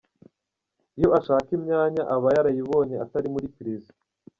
Iyo ashaka imyanya aba yarayibonye atali muli prison.